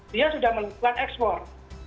dia sudah melakukan ekspor